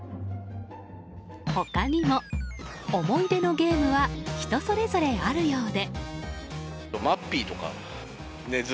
他にも、思い出のゲームは人それぞれあるようで。